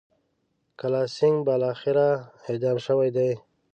کالاسینګهـ بالاخره اعدام شوی دی.